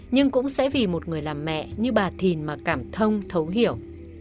nhưng cũng sẽ vì một người làm mẹ như bà thìn mà cảm thông thấu hiểu